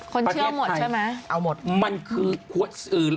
คนเชื่อหมดใช่ไหมเอาหมดมันคือ